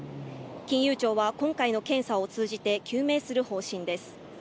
金融庁は今回の検査を通じて究明する方針です。